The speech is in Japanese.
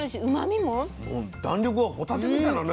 もう弾力はホタテみたいなね